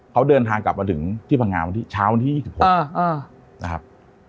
เขาเดินทางกลับมาถึงที่พังงาวันที่เช้าวันที่๒๖นะครับ